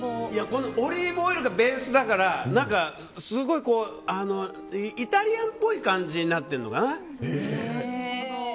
このオリーブオイルがベースだからイタリアンっぽい感じになってるのかな。